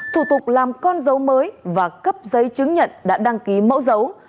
thủ tục làm con dấu mới và cấp giấy chứng nhận đã đăng ký mẫu dấu